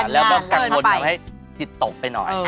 และกังวลจะแต่จิตตกไปหน่อย